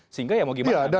sehingga ya mau gimana